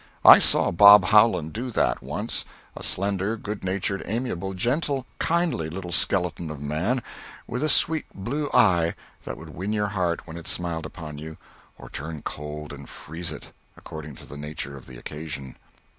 I saw Bob Howland do that, once a slender, good natured, amiable, gentle, kindly little skeleton of a man, with a sweet blue eye that would win your heart when it smiled upon you, or turn cold and freeze it, according to the nature of the occasion.